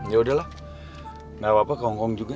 ya udahlah gak apa apa ke hongkong juga